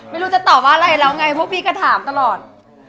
ไม่รู้จะตอบว่าอะไรแล้วไงพวกพี่ก็ถามตลอด